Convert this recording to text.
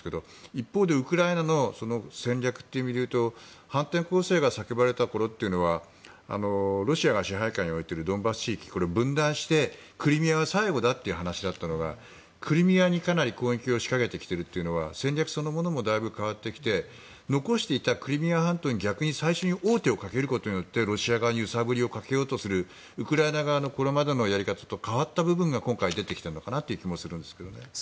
一方でウクライナの戦略という意味で言うと反転攻勢が叫ばれたころというのはロシアが支配下に置いているドンバス地域、分断してクリミアが最後だという話だったのがクリミアにかなり攻撃を仕掛けてきているというのは戦略そのものもだいぶ変わってきて残していたクリミア半島に最初に王手をかけることによってロシア側に揺さぶりをかけようとするウクライナ側のこれまでのやり方と変わった部分が今回出てきているのかなという気もしますけど。